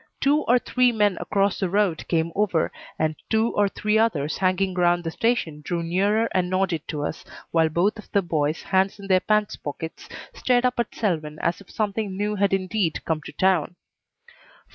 Two or three men across the road came over, and two or three others hanging around the station drew nearer and nodded to us, while both of the boys, hands in their pants pockets, stared up at Selwyn as if something new had indeed come to town.